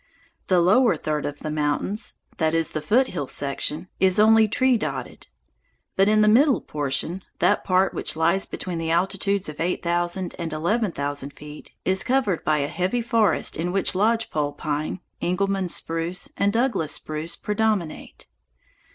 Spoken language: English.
The lower third of the mountains, that is, the foothill section, is only tree dotted. But the middle portion, that part which lies between the altitudes of eight thousand and eleven thousand feet, is covered by a heavy forest in which lodge pole pine, Engelmann spruce, and Douglas spruce predominate.